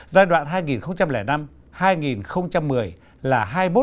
giai đoạn hai nghìn hai nghìn năm hai nghìn một mươi là hai mươi một hai